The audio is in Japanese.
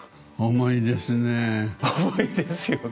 重いですよね。